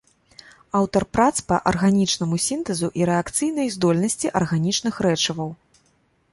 Аўтар прац па арганічнаму сінтэзу і рэакцыйнай здольнасці арганічных рэчываў.